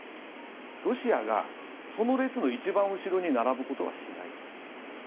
ロシアがその列の一番後ろに並ぶことはしないと。